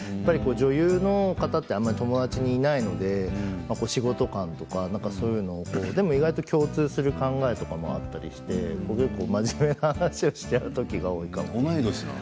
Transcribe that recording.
女優の方ってあまり友達がいないので仕事とか意外と共通する考えとかもあったりして結構真面目な話をしちゃうときが多いですね。